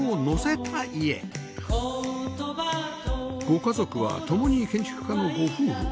ご家族は共に建築家のご夫婦